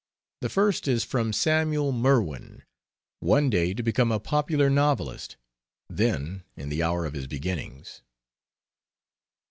The first is from Samuel Merwin, one day to become a popular novelist, then in the hour of his beginnings.